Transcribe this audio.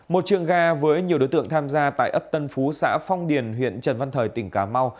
một trường ga với nhiều đối tượng tham gia tại ấp tân phú xã phong điền huyện trần văn thời tỉnh cà mau